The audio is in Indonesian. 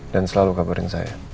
dan selalu kabarin saya